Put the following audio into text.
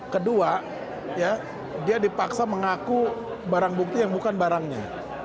kedua dia dipaksa mengaku barang bukti yang bukan barangnya